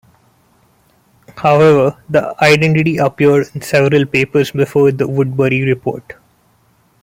However, the identity appeared in several papers before the Woodbury report.